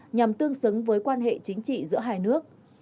nhằm tương xứng với quan hệ chính trị giữa hai nước